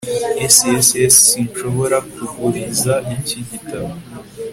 S S S Sinshobora kuguriza iki gitabo